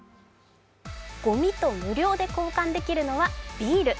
ごみと無料で交換できるのはビール。